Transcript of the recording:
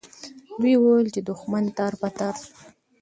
دوی وویل چې دښمن تار په تار سو.